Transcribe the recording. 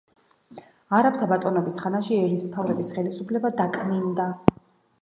არაბთა ბატონობის ხანაში ერისმთავრების ხელისუფლება დაკნინდა.